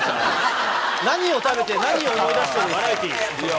何を食べて、何を思い出してバラエティー。